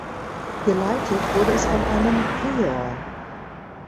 Geleitet wurde es von einem Prior.